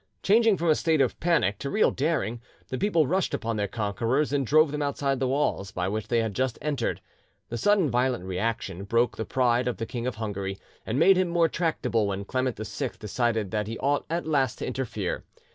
Changing from a state of panic to real daring, the people rushed upon their conquerors, and drove them outside the walls by which they had just entered. The sudden violent reaction broke the pride of the King of Hungary, and made him more tractable when Clement VI decided that he ought at last to interfere.